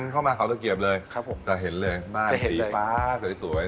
เข้ามาเขาตะเกียบเลยครับผมจะเห็นเลยม่านสีฟ้าสวย